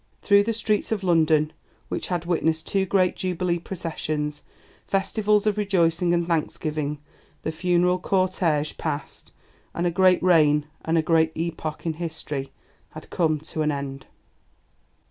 Through the streets of London, which had witnessed two great Jubilee processions, festivals of rejoicing and thanksgiving, the funeral cortege passed, and a great reign and a great epoch in history had come to an end.